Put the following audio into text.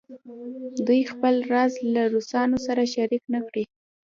دوی خپل راز له روسانو سره شریک نه کړي.